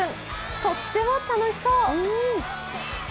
とっても楽しそう。